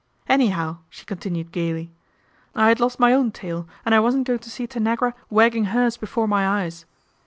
" Anyhow," she continued gaily, " I had lost my own tail, and I wasn't going to see Tanagra wagging hers before my eyes.